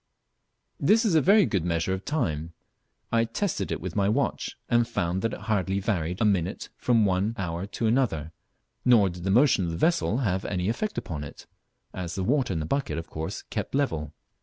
This is a very good measurer of time. I tested it with my watch and found that it hardly varied a minute from one hour to another, nor did the motion of the vessel have any effect upon it, as the water in the bucket of course kept level.